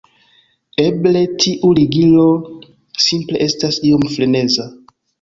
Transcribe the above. Eble tiu ligilo simple estas iom freneza"